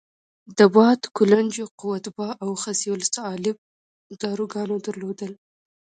د باد کلنجو، قوت باه او خصیه الصعالب داروګان درلودل.